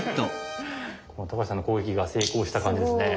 橋さんの攻撃が成功した感じですね。